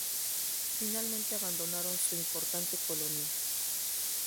Finalmente abandonaron su importante colonia.